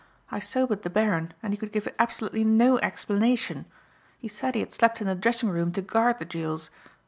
I sobered the Baron and he could give absolutely no explanation. He said he had slept in the dressing room to guard the jewels.